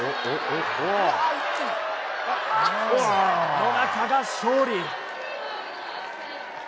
野中が勝利。